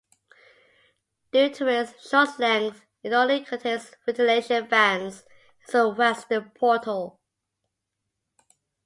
Due to its short length, it only contains ventilation fans at its western portal.